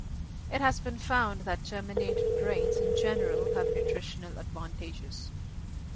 It has been found that germinated grains in general have nutritional advantages.